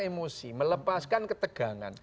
emosi melepaskan ketegangan